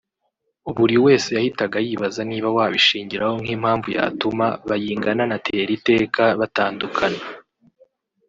buri wese yahitaga yibaza niba wabishingiraho nk’impamvu yatuma Bayingana na Teriteka batandukana